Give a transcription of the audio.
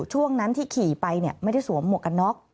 ช่วงนั้นที่ขี่ไปไม่ได้สวมหมวกกันน็อก